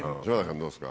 どうですか？